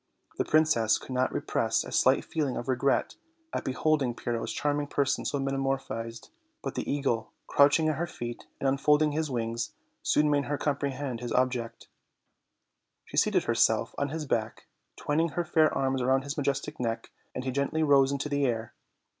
The prin cess could not repress a slight feeling of regret at behold ing Pyrrho's charming person so metamorphosed; but the eagle, crouching at her feet and unfolding his wings, soon made her comprehend his object. She seated herself on his back, twining her fair arms round his majestic neck, and he gently rose into the air.